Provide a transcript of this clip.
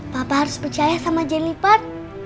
papa harus percaya sama jeniper